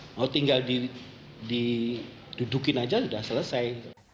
mau tinggal didudukin aja sudah selesai